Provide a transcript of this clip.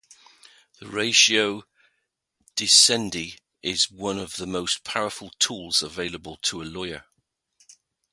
The "ratio decidendi" is one of the most powerful tools available to a lawyer.